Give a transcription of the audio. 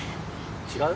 違う？